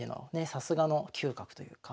さすがの嗅覚というか。